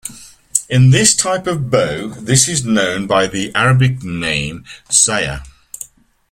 In this type of bow, this is known by the Arabic name 'siyah'.